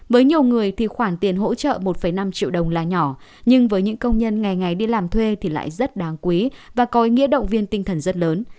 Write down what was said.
với nhiều người thì khoản tiền hỗ trợ một năm triệu đồng là nhỏ nhưng với những công nhân ngày ngày đi làm thuê thì lại rất đáng quý và có ý nghĩa động viên tinh thần rất lớn